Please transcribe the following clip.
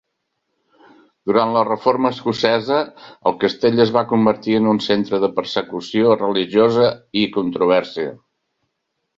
Durant la Reforma escocesa, el castell es va convertir en un centre de persecució religiosa i controvèrsia.